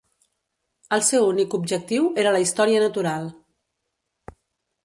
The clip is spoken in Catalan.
El seu únic objectiu era la història natural.